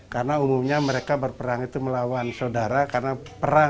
karena umumnya mereka berperang itu melawan saudara